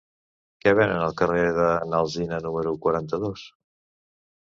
Què venen al carrer de n'Alsina número quaranta-dos?